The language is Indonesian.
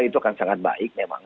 itu akan sangat baik memang